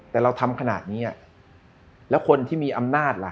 แต่เราทำขนาดนี้แล้วคนที่มีอำนาจล่ะ